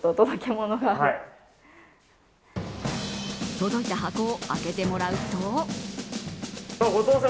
届いた箱を開けてもらうと。